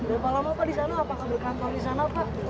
berapa lama pak di sana apakah berkantor di sana pak